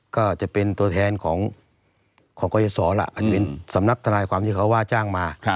ก็จะเป็นตัวแทนของกรยศล่ะอาจจะเป็นสำนักทนายความที่เขาว่าจ้างมา